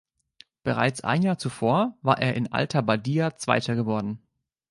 Bereits ein Jahr zuvor war er in Alta Badia Zweiter geworden.